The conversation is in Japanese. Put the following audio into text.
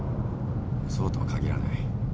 そうとは限らない。